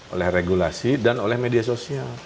oleh regulasi dan oleh media sosial